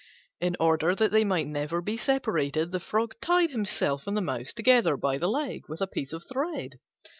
In order that they might never be separated, the Frog tied himself and the Mouse together by the leg with a piece of thread.